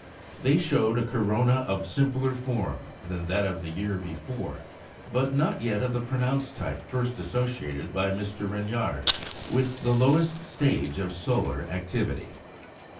They showed a corona of simpler form than that of the year before, but not yet of the pronounced type first associated by Mr. Ranyard with the lowest stage of solar activity.